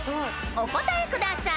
お答えください］